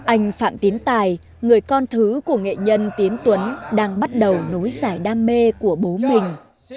anh phạm tiến tài người con thứ của nghệ nhân tiến tuấn đang bắt đầu nối giải đam mê của bố mình